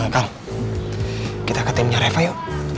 kalau kita ke timnya reva yuk